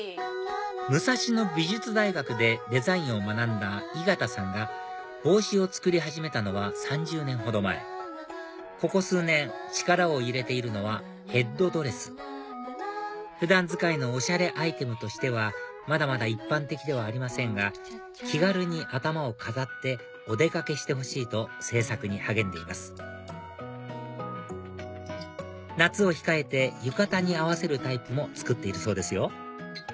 武蔵野美術大学でデザインを学んだ井形さんが帽子を作り始めたのは３０年ほど前ここ数年力を入れているのはヘッドドレス普段使いのおしゃれアイテムとしてはまだまだ一般的ではありませんが気軽に頭を飾ってお出かけしてほしいと制作に励んでいます夏を控えて浴衣に合わせるタイプも作っているそうですよ